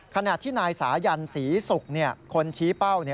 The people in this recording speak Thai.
ขณะที่นายสายันศรีศุกร์คนชี้เป้า